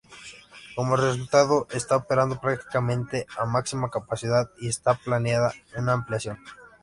Como resultado, está operando prácticamente a máxima capacidad y está planeada una ampliación.